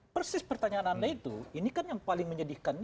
persis pertanyaan anda itu ini kan yang paling menyedihkan